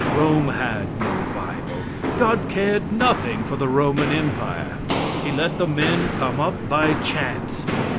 Rome had no bible. God cared nothing for the Roman Empire. He let the men come up by chance.